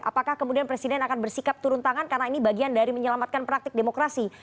apakah kemudian presiden akan bersikap turun tangan karena ini bagian dari menyelamatkan praktik demokrasi